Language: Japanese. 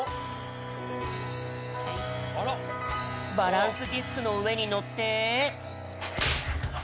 バランスディスクのうえにのって。